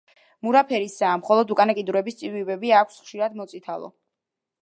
მურა ფერისაა, მხოლოდ უკანა კიდურების წვივები აქვს ხშირად მოწითალო.